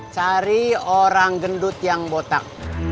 cari orang gendut yang botak